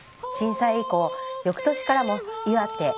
震災以降よくとしからも岩手